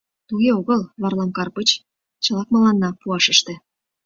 — Туге огыл, Варлам Карпыч, чылак мыланна пуаш ыште.